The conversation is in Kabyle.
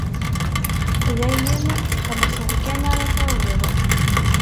D ayen txellṣeḍ kan ara tawiḍ.